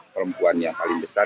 perempuan yang paling besar